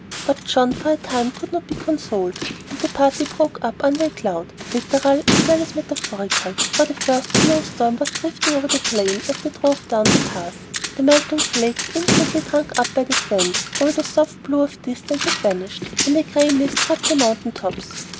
But John for a time could not be consoled, and the party broke up under a cloud, literal as well as metaphorical, for the first snow storm was drifting over the plain as they drove down the pass, the melting flakes instantly drunk up by the sand; all the soft blue of distance had vanished, and a gray mist wrapped the mountain tops.